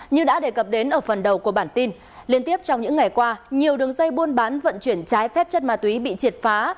như đã đề cập đến ở phần đầu của bản tin liên tiếp trong những ngày qua nhiều đường dây buôn bán vận chuyển trái phép chất ma túy bị triệt phá